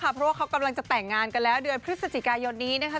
เพราะว่าเขากำลังจะแต่งงานกันแล้วเดือนพฤศจิกายนนี้นะคะ